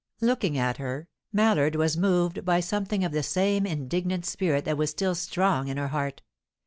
Looking at her, Mallard was moved by something of the same indignant spirit that was still strong in her heart.